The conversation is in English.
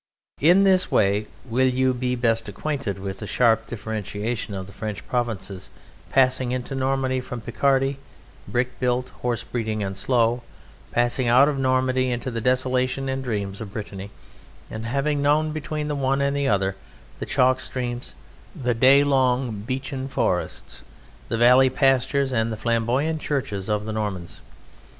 In this way will you be best acquainted with the sharp differentiation of the French provinces passing into Normandy from Picardy, brick built, horse breeding, and slow, passing out of Normandy into the desolation and dreams of Brittany, and having known between the one and the other the chalk streams, the day long beechen forests, the valley pastures, and the flamboyant churches of the Normans.